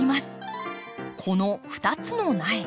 この２つの苗